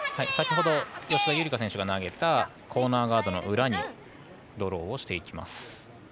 先ほど吉田夕梨花選手が投げたコーナーガードの裏にドローをしていきます。